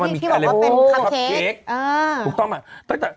ที่บอกว่าเป็นคัมเค้ก